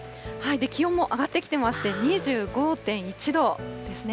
気温も上がってきてまして、２５．１度ですね。